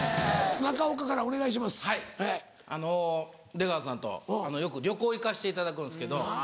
出川さんとよく旅行行かせていただくんですけど。